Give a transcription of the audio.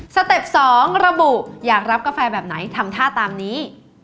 เต็ป๒ระบุอยากรับกาแฟแบบไหนทำท่าตามนี้